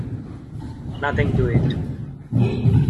Nothing to it.